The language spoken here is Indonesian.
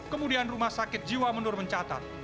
kemudian rumah sakit jiwa menur mencatat